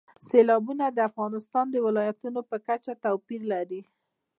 سیلابونه د افغانستان د ولایاتو په کچه توپیر لري.